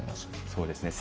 そうですね。